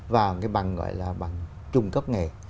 và cái bằng gọi là bằng trung cấp nghề